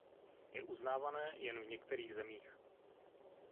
Je uznávané jen v některých zemích.